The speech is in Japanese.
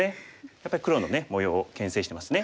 やっぱり黒の模様をけん制してますね。